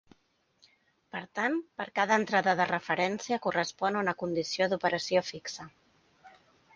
Per tant, per a cada entrada de referència correspon una condició d'operació fixa.